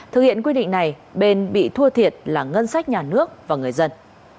thực hiện quy định này bên bị thua thiệt là ngân sách nhà nước và người dân